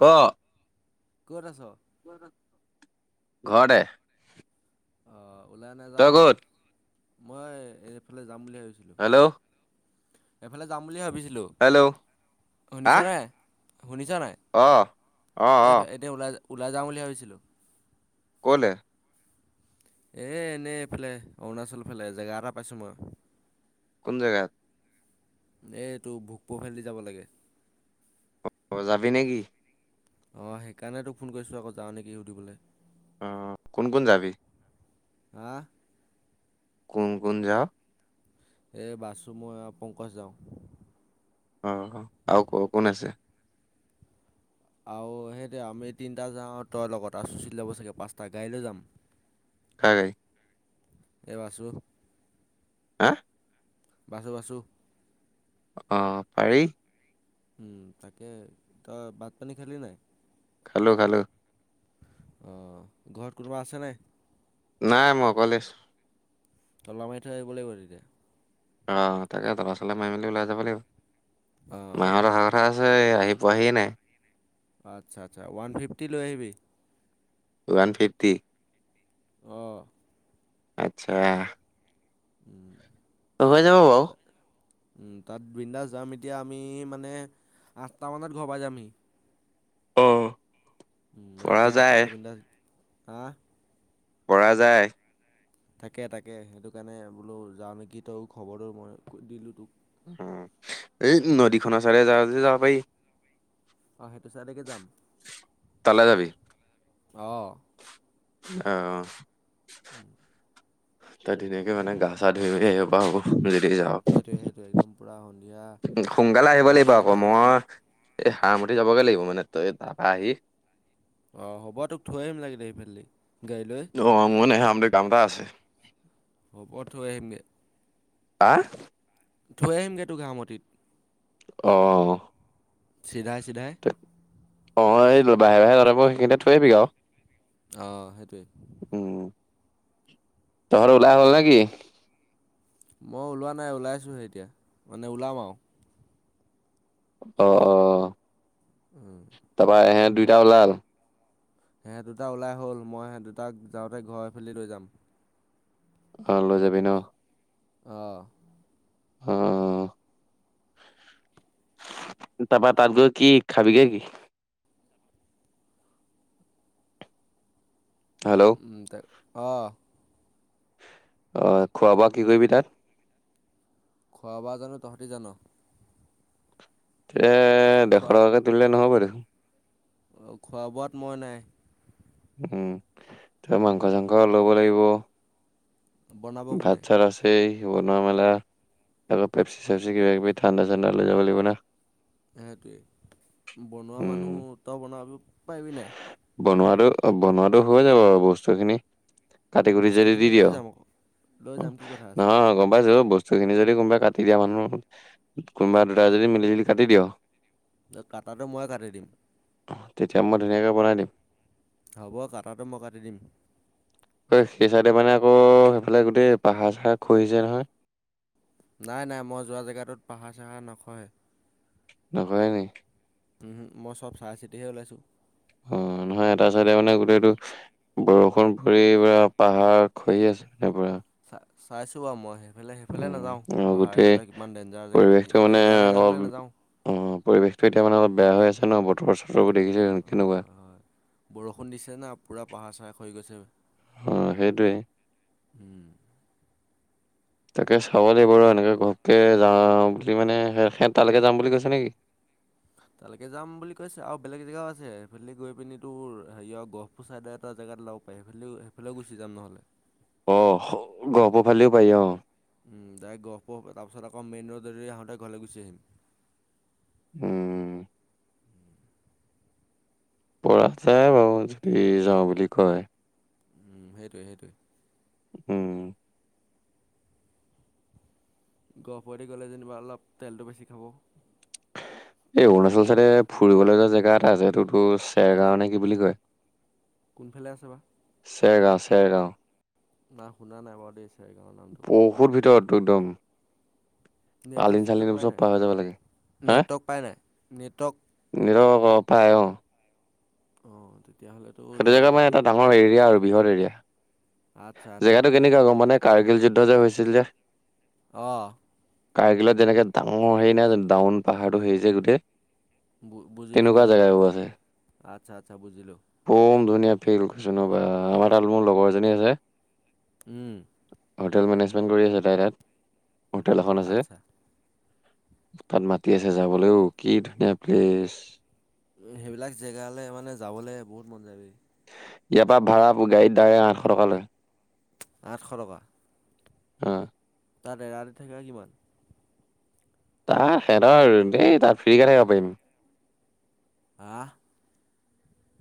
ক। ক'ত আছ? [unintelligible] ঘৰতে। অ, ওলাই নেযাও তই নি ক'ত মই এইফালে যাম বুলি ভাবিছিলো। হেল্ল' এইফালে যাম বুলি ভাবিছিলো। হেল্ল' হা শুনিছনে? শুনিছা, নাই, অ অ এই, অ এতিয়া ওলাই, ওলাই যাওঁ বুলি ভাবিছিলোঁ। ক'লে? এ, এনেই এইফালে অৰুণাচল ফালে জেগা এটা পাইছো মই। কোন জগাত? এইটো বোগ [unintelligible] যাব লাগে। অ', অ', যাবি নেকি? অ, সেইকাৰণে তোক ফোন কৰিছোঁ আকৌ যাওঁ নেকি সুধিবলৈ। অ, কোন, কোন যাব। হা? কুন, কুন, যাও। এ, বাছো মই পংকজ যাওঁ। অ, আৰু ক, কোন আছে। আৰু সেইটো আমি তিনিটা যাওঁ, তই লগত আছুচ লব চাগে, পাঁচটা গাড়ীলৈ যাম। কাৰাই এইবাছু হা বাছু, বাসু অহ, পাৰি। উম, তাকে তই বাত পানী খালি নাই। খালো, খালো। অ, ঘৰত কোনোবা আছে নাই। নাই, মই কলেজ। অল মাৰ থৈ আহিব লাগিব এতিয়া। অ, তাকে ল'ৰা, ছোৱালী মাৰি মেলি ওলাই যাব লাগিব অঁ মাহৰ ৰহা কথা আছে। আ, আহি পোৱাহিয় নাই। আচ্ছা, আচ্ছা ওৱান ফিফটি লৈ আহিবি। One, fifty. অ'। আচ্ছা। উম। অ, হৈ যাব, ব তা- তাত বৃন্দাস যাম এতিয়া আমি মানে আঠটামানত ঘৰ পাই যামহি। অ'। উম, পৰা ৰাতি যায় আঠটাল পিন্ধা হা কৰা যায় তাকে তাকে সেইটো কাৰণে বোলো যাওঁ নেকি তই খবৰটো মই দিলো তোক অ', ই নদীখনৰ চাৰে যা যাব পাৰি অ', সেইটো চাইলৈকে যাম তালৈ আহ অহ, [unintelligible] ত ধুনীয়াকে মানে গা চা ধুই আহিব প হ'ব যদি যাওঁ সেইটোৱে সেইটোৱে একদম পুৰা সন্ধিয়া সোনকালে আহিব ভাল লাগিব লাগে আকৌ না মই এই হাৰামুঠি যাবগে লাগিব মানে তই এই দাবা আহি অ', 'ব তোক থৈ আহিম লাগে দে সিফালি অ', নে আমাৰ কামত আছে হ বত আহিমগে হা থৈ আহিমগৈ তটো হাৰমতিত অহ, চিদাই চিদাই অ', ই বাহে বাহে ততে সেইখিনতে থৈ আহিবি আৰু অহ সেইটোৱেই তহৰ ওলাই হ'ল নেকি? মই ওলোৱা নাই ওলাইছোহে এতিয়া মানে ওলাম আৰু অ ', অ', উম, তাৰাপাে দুইটা ওলাল সিহঁ দুতটা ওলাই হ'ল মই সেইঁ দুটাক যাওঁতে ঘৰ ফেলি লৈ যাম অ', লৈ যাবি ন? আহ, আহ তাৰাপা তাত গৈ কি খাবিগে কি? হেল্ল' তে অ', আহ, খোৱা বোৱা কি কৰিবি তাত? খোৱা বাজানো তহঁতি জান এতিয়া ডেশ টকাকে তুলিলে নহয়ব দেখোন অ', খোৱা বোৱাত মই নাই উম' ত মাংস উম, চাংস লব লাগিব বনাব ভাত কোনে চাত আছে শিবনোৱাৰা মেলা আকৌ পেপচি চেপচি কিবা কিবি ঠাণ্ডা ঠাণ্ডা লৈ যাব লাগিব না সেইটোৱেই বনোৱা উম, মানুহ তই বনাব পাৰিবি নাই বনোৱাাতটো বনোৱাাতটো হৈ যাব বু বস্তুখিনি কাটি কুটি যদি বস্তুখিনি দি লৈ দিয় অ যাম আকৌ লৈ যাম কি কথা আছে নহয় গম পাইছো বস্ত বস্তুখিনি যদি কোনোবাই কাটি দিয়া মানুহ কোনোবা দুটা যদি মিলি জুলি কাটি দিয় কাটাটো মই কাটি দিম তেতিয়া মই ধুনীয়াকৈ বনাই দিম হ'ব কটাটো মই কাটি দিম সেই চাইডে মানে আকৌ সেইফালে গোটেই পাহাৰ চাহাৰ খহিছে নহয় নাই নাই মই যোৱা জেগাটোত পাহাৰ চাহা নখহে নকয় ন উ মই চব চাহাই চিতিহে ওলাইছো অ', হয় এটা চাইডে মানে গোটেইটো বৰষুণ পৰি পুৰা পাহাৰ খহি আছে মানে পুৰা চ চাইছো বা মইে সফে সেইফালে উম, নাযাওঁ অ', পাহাৰ গোটেই এইবিলাক ইমান ডেঞ্জাৰ জেগা পৰিৱেশটো মানে ডেঞজাৰ অলপ জেগাফালে নাযাওঁ অ', পৰিৱেশতটো এতিয়া মানে অলপ বেয়া হৈ আছে চৰ চথ্ৰ কৰি দেখি জানো কেনেকুৱা। হয় বৰষুণ দিছে না পোৰা পাহাৰ চাহা খহি গৈছে গৈ। অ', সেইটোৱে। উম। তাকে চাব লাগিব বাৰু এনেকে ঘপকে যাওঁ বুলি মানে সিহঁত তালৈকে যাম বুলি কৈছে নেকি। [inaudible] তালৈকে যাম বুলি কৈছে আৰু বেলেগ জেগাও আছে, সেইফেল গৈ পিনি তোৰ হেৰিয় গহপুৰ চাইড এটা জেগা তাত ওলাব পায় সেইফালও সেইফালও গুচি যাম নহ'লে। অ' গহপুৰ ফালেও পাৰি অ'। উম, ডাইৰেক্ট গহপুৰ তাৰ পাছত আকৌ মেইন ৰোড আহতে ঘৰলৈ গুচি আহিম। উম। পৰাগ চাই মই বুলি চুটি যাওঁ বুলি কয়। উম, সেইটোৱে সেইটোৱে। উম। গহপুৰৰে দি গ'লে যেনিবা অলপ তেলটো বেছি খাব। এই অৰুণাচল চাইদে ফুৰিবলৈ যোৱা জেগা এটা আছে, এইটোতটো চেৰ গাওঁ নে কি বুলি কয়। কোনফালে আছে বা। চেৰ গাঁও চেৰগাঁও। নাই শুনা নাই বাৰু দে। বহুত ভিতৰত দটৌ একদম। আলিন নেটৱৰ্ক চালিন চেটৱৰ্ক এইবোৰ পাই চব পাৰ হৈ যাব লাগে। নাই হা? নেটৱৰ্ক পাই নাই নেটৱৰ্ক। অ' পায় অ'। অ' সেইটো জেগা মানে এটা ডাঙৰ এৰিয়া আৰু বৃহৎ এৰিয়া আচ্ছা আচ্ছা জেগাটো কেনেকুৱা গ'ম পাৱনে। কাৰ্গিল যুদ্ধ যে হৈছিল যে। অ' কাৰ্গিলত যেনেকে ডাঙৰ হেৰি নাই ডাউন পাহাৰটো হেৰিছে গোটেই। বু বুজিলোঁ তেনেকুৱা বুজিলোঁ জেগাবোৰ আছে। আচ্ছা, আচ্ছা, বুজিলো। কম ধুনীয়া ফিলিম লোকেচন আমাৰ তাত মোৰ লগৰ এজনী যে। উম। হোটেল মেনেজমেণ্ট কৰি আছে, তাই তাত হোটেল এখন আছে। আচ্ছা তাত মাতি আছে যাবলৈও কি ধুনীয়া প্লেচ। হেইবিলাক জেগালে মানে যাবলৈ বহুত মন যায়ি। ইয়াৰ পৰা ভাড়া গাড়ীত দাৰে আঠশ টকালৈ। আঠশ টকা আহ তাত এৰাতি থাকা কিমান। তাহ সিহঁতৰ আৰু দেই তাত ফ্ৰীকে থাকিব পাৰিব। আহ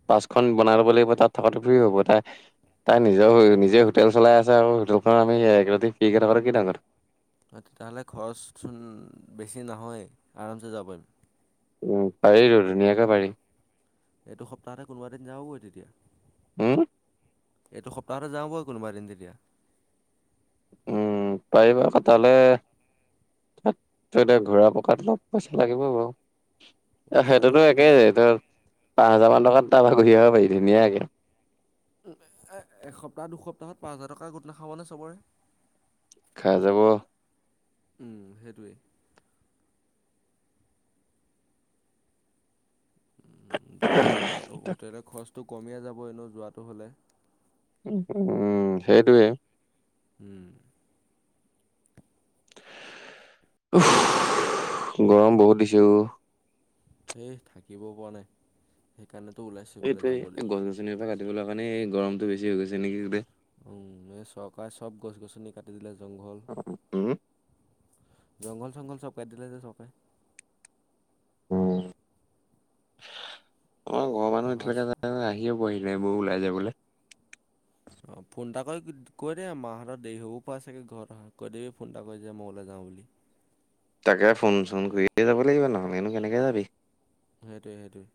পাচখন বনাই ল'ব লাগিব তাত থকাটো ফ্ৰী হ'ব তাই। তাই নিজৰ নিজে হোটেল চলাই আছে, আৰু হোটেলখন আমি একৰাতি ফ্ৰিকে থকাটো কি ডাঙৰ। হয়, তেতিয়াহ'লে খৰচচোন বেছি নহয়, আৰামছে যাব পাৰিম। উম, পাৰি টো ধুনীয়াকে পাৰি। এইটো সপ্তাহতে কোনোবা দিন যাবগৈ তেতিয়া। হ'ম এইটো সপ্তাহতে যাওঁ ব কোনোবা এদিন তেতিয়া। উম, পাৰিবা ক তালে। ত, এ ঘোৰা পকাত মোক পইচা লাগিব বাৰু। আহ পইচাটো সেহটোতো একেই মিলা [unintelligible] পাঁচ হাজাৰানটকাত তাৰপৰা ঘূৰি আহাব পাৰি ধুনীয়াকে। এসপ্তাহ, দুসপ্তাহত পাঁচ হাজাৰ টকা গোট নাখাবনে চবৰে। খাই যাব। উম, সেইটোৱেই। উ, যদি মানে হোটলেৰ খৰচটো কমিয়ে যাব। এনেও যোৱাটো হ'লে উ, উম, সেইটোৱে। উম। গৰম বহুত দিছো। সেই থাকিবও পোৱা নাই। সেইকাৰণেতো ওলাইছোঁ এইফালে এইটোয়ে যাম বুলি গছ, গছনিৰ পৰা কাটিব কাৰণে এই গৰমতটো বেছি হৈ গৈছে নেকি। উম, এই চৰকাৰে চব গছ, গছনি কাটি দিলে। জংঘল অক জংঘল চংঘল চব কাটি দিলে যে চকে উ, অ, পা ঘৰৰ মানুহ পাহাৰ এতিয়ালৈকে য আহিয়ে পোৱাহি নাই। এবৌ ওলাই যায় বোলে। অ, ফোন এটা কৰি কৈ দে মাহঁতৰ দেৰি হ'ব পৰা চাগৈ ঘৰত অহ, কৈ দিবি ফোন এটা কৰি যে মই উলাই যাওঁ বুলি [inaudible] তাকে ফোন চোন কৰিয়ে যাব লাগিবা নহলেনো কেনেকে যাবি। সেইটোৱে, সেইটোৱে।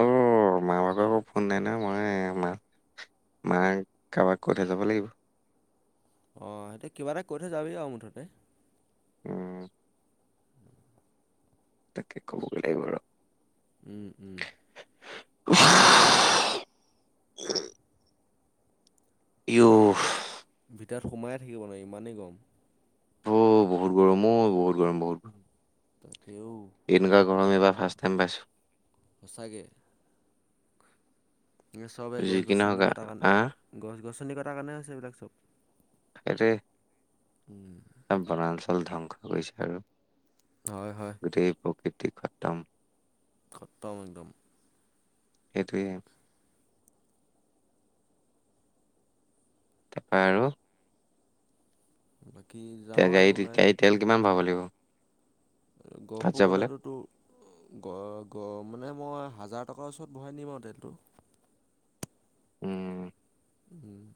অ, ম, বাকেকো ফোন নাই ন, মই মা মায় কাৰোবাক কৈ থৈ যাব লাগিব। অ, সেইটোয়া কিবা এটা কৈ থৈ যাবি আৰু মুঠতে। উম। তাকে ক'বগৈ লাগিব আৰু। উম, উম। [inaudible] ইঔহ। ইয়াত সোমাইে থাকিব নোৱাৰি ইমানেই গৰম। অ, বহুত গৰম অ, বহুত গৰম বহুত তাকেও গৰম এনেকুৱা গৰম এইবাৰ। ফাৰ্ষ্ট টাইম পাইছোঁ। সঁচাকে এই চবেই যি গছ, কি গছনি নহওঁক কটাৰ কাৰণে, আহ গছ, গছনি কটাৰ কাৰণে হৈছে এইবিলাক চব। [unintelligible] উম। চব বনাঞ্চল ধ্বংস কৰিছে আৰু। হয়, হয়। [unintelligible] খতম খতম একদম। এইটোৱে এইম। তাপে আৰু। বাকী তে যাওঁ আৰু গাড়ী, তি ওলাই গাড়ীত তেল কিমান ভৰাব লাগিব। তাত গহপোৰ যাবলে? কঠাতো তো গ, গ, মানে মই। হাজাৰ টকাৰ ওচৰত ভৰাই নিম আৰু তেলটো। উম। [unintelligible]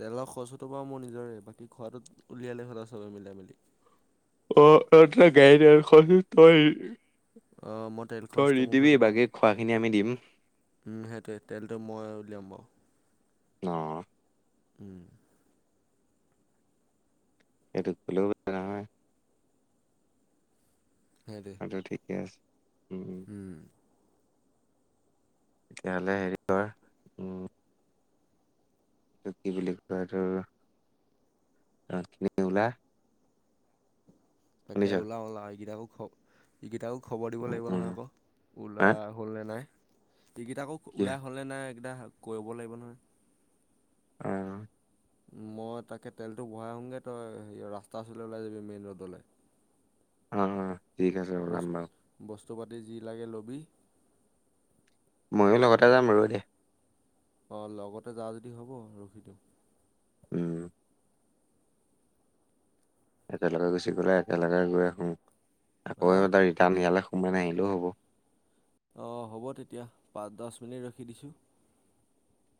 তেলৰ খৰচতোতো বাৰু মোৰ নিজৰেই, বাকী খোৱাটোত উলিয়ালেই হ'ল আৰু চবেই মিলাই মেলি অ, এটা গাড়ি ডেৰখনদি থৈ আহিবি। অঁ মই তেল ত'ই খৰচটো মোৰ ৰিদিবি ফালৰ পৰা বাকী খোৱাখিনি আমি দিম। উম, সেইটোৱে তেলটো মই উলিয়াম বাৰু। ন উম। [unintelligible] সেইটোৱে আন্দৰ ঠিকেই আছে। উম তেতিয়াহ'লে হেৰি কৰ উম তোক কি বুলি কয়, এইটো তাছ খিনিকে ওলা। তাকে শুনিছ ওলাউ ওলাই এইকেইটাকো খ এইকেইটাও। খবৰ দিব উম লাগিব উম নহয় আকৌ হা ওলাই হ'লনেে নাই। টিকেট আকৌ কি ওলাই হ'লনে নাই এইকেইটা কৰিব লাগিব নহয়। [unintelligible] মই তাকে তেলটো ভৰাই আহোগৈ, তই ৰাস্তাৰ ওচৰলৈ ওলাই যাবি মেইন ৰো'ডলৈ। অ অ, 'ঠিক আছে অৰন্য চ'বতে যি লাগে ল'বি ময়ো লগতে যাম ৰৈ দে। অ', গতে যাৱ যদি হ'ব ৰখি দওঁ। উম একেলগে গুচি গ'লে একেলগে গৈ আহো আকৌ হা এবাৰ তই ৰিটাৰ্ণ ইয়ালে মই নাহিলেও হ'ব। অ', হ'ব তেতিয়া পাঁচ দহ মিনিট ৰখি দিছোঁ।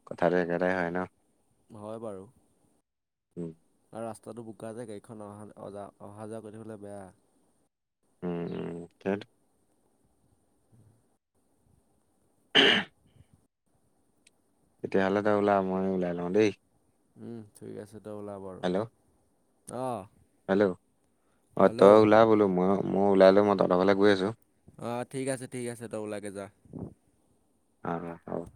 কথাটো একেটাই হয় ন হয় বাৰু উ, আৰু ৰাস্তাটো বোকা যে গাড়ীখন অহা যে অ যা অহা যোৱা কৰিবলৈ বেয়া। উম, উম, [inaudible] তেতিয়াহ'লে তই ওলা মই ওলাই লওঁ দেই উম, ঠিক আছে তই ওলা বাৰু হেল্ল' অ', হেল্ল' অ তই ওলাই বোলো মই মই ওলাই লৈ মই তহঁতৰ ফালে গৈ আছো অহ ঠিক আছে ঠিক আছে তই ওলাগে যা অহ হয়